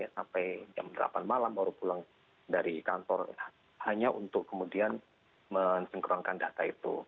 sampai jam delapan malam baru pulang dari kantor hanya untuk kemudian mensinkronkan data itu